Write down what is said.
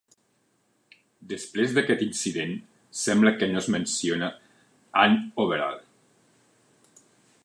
Després d'aquest incident, sembla que no es menciona Anne Overall.